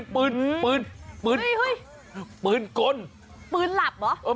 ปืนปืนปืนกลปืนหลับเหรอ